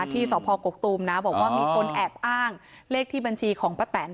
ที่สพกกตูมนะบอกว่ามีคนแอบอ้างเลขที่บัญชีของป้าแตน